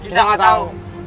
kita gak tau